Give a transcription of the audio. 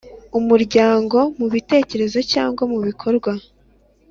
Umuryango mu bitekerezo cyangwa mu bikorwa